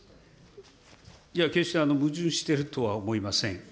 決して矛盾してるとは思いません。